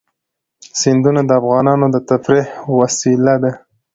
سیندونه د افغانانو د تفریح یوه وسیله ده.